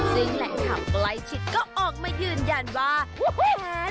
ซึ่งแหละถามไกลชิดก็ออกมายืนยันว่า